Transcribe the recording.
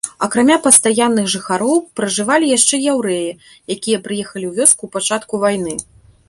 Акрамя пастаянных жыхароў, пражывалі яшчэ яўрэі, якія прыехалі ў вёску ў пачатку вайны.